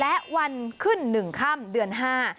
และวันขึ้นหนึ่งค่ำเดือนห้า